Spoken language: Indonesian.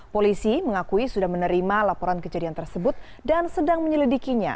polisi mengakui sudah menerima laporan kejadian tersebut dan sedang menyelidikinya